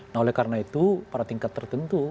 nah oleh karena itu pada tingkat tertentu